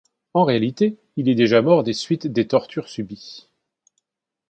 En réalité, il est déjà mort des suites des tortures subies.